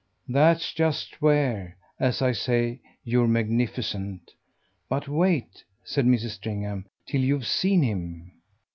"That's just where, as I say, you're magnificent. But wait," said Mrs. Stringham, "till you've seen him."